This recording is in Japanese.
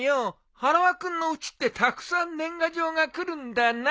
花輪君のうちってたくさん年賀状が来るんだな。